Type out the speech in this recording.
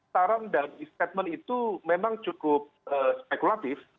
saran dan statement itu memang cukup spekulatif